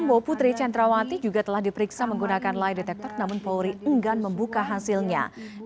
bo putri centrawati juga telah diperiksa menggunakan lie detector namun polri enggan membuka hasilnya